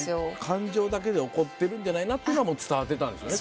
感情だけで怒ってるんじゃないなっていうのは伝わってたんでしょうね。